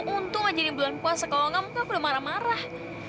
untung aja di bulan puasa kalau nggak mungkin udah marah marah